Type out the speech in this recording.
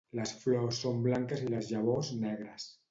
Les flors són blanques i les llavors negres.